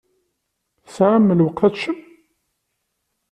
Tesɛam lweqt ad teččem?